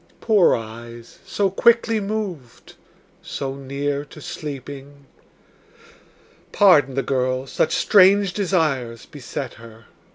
Poor eyes, so quickly moved, so near to sleeping? Pardon the girl; such strange desires beset her.